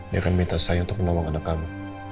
dia akan minta saya untuk menolong anak kamu